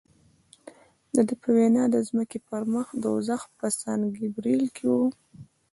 د ده په وینا د ځمکې پر مخ دوزخ په سان ګبرېل کې و.